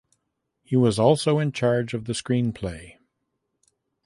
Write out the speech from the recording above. He was also in charge of the screenplay.